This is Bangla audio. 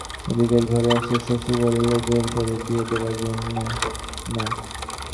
এদিকের ঘরে আসিয়া শশী বলিল, জোর করে বিয়ে দেবার জন্যে, না?